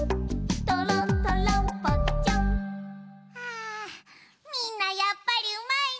あみんなやっぱりうまいなぁ！